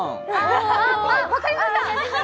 あっ、分かりました！